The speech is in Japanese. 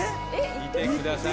見てください